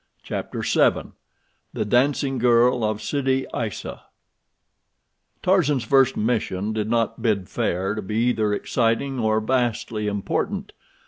Chapter VII The Dancing Girl of Sidi Aissa Tarzan's first mission did not bid fair to be either exciting or vastly important.